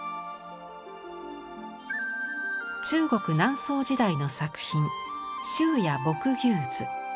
中国南宋時代の作品「秋野牧牛図」。